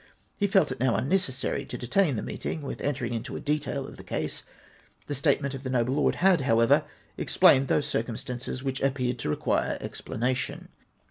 He felt it now ixnne cessary to detain the meeting with entering into a detail of tlie case : the statement of the noble lord had, however, explained those circumstances which appeared to require explanation.